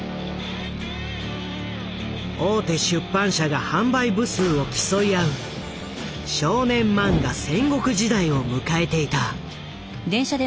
大手出版社が販売部数を競い合う少年漫画戦国時代を迎えていた。